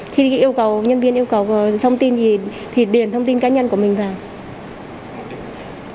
khi nhân viên yêu cầu thông tin gì thì điền thông tin cá nhân của mình vào để chiếm đất tài sản